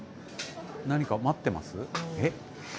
何か待ってます？